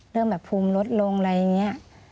เริ่มแบบภูมิลดลงอะไรอย่างนี้